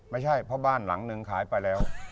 ไม่ใช่เพราะบ้านหลังนึงขายไปแล้ว